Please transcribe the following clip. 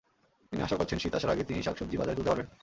তিনি আশা করছেন, শীত আসার আগেই তিনি শাকসবজি বাজারে তুলতে পারবেন।